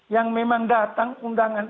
yang memang datang undangan